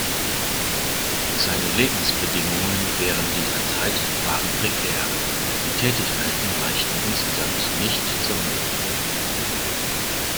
Seine Lebensbedingungen während dieser Zeit waren prekär, die Tätigkeiten reichten insgesamt nicht zum Leben.